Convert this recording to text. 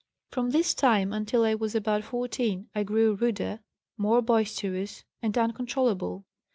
"From this time until I was about 14 I grew ruder, more boisterous and uncontrollable.